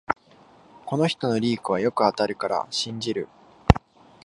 この人のリークはよく当たるから信じる